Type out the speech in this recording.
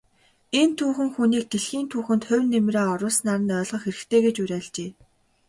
Энэ түүхэн хүнийг дэлхийн түүхэнд хувь нэмрээ оруулснаар нь ойлгох хэрэгтэй гэж уриалжээ.